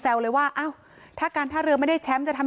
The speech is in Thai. แต่มันถือปืนมันไม่รู้นะแต่ตอนหลังมันจะยิงอะไรหรือเปล่าเราก็ไม่รู้นะ